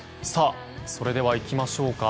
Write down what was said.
それではいきましょうか。